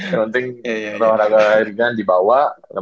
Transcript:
yang penting olahraga dibawa